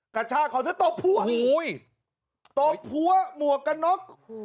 กระช่าขอเสื้อตกพัวโฮยตกพัวหมัวกกะน๊อก